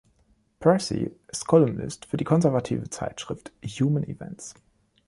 Pearcey ist Kolumnist für die konservative Zeitschrift „Human Events“.